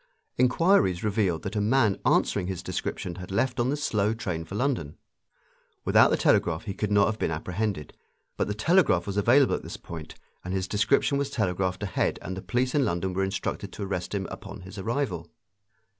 Inquiries revealed that a man answering his description had left on the slow train for London. Without the telegraph he could not have been apprehended. But the telegraph was available at this point, and his description was telegraphed ahead and the police in London were instructed to arrest him upon his arrival.